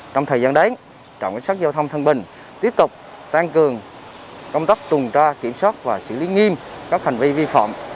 trong thời gian đáng trọng ứng xác giao thông thân bình tiếp tục tăng cường công tác tùng tra kiểm soát và xử lý nghiêm các hành vi vi phạm